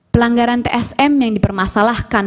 pelanggaran tsm yang dipermasalahkan